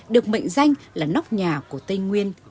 được mệnh danh là nóc nhà của tây nguyên